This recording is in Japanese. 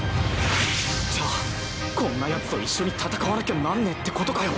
じゃあこんなやつと一緒に戦わなきゃなんねえってことかよ。